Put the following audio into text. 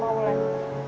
pacaran sama ulan